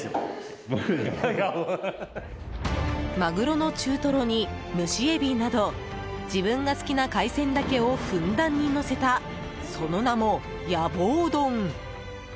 マグロの中トロに蒸しエビなど自分が好きな海鮮だけをふんだんにのせたその名も野望丼。